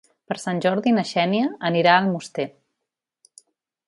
Per Sant Jordi na Xènia anirà a Almoster.